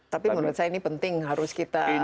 tapi menurut saya ini penting harus kita peringati lah ya